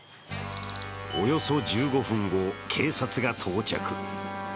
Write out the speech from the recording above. およそ１５分後、警察が到着。